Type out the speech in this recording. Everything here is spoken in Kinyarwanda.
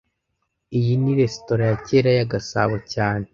Iyi ni resitora ya kera ya Gasabo cyane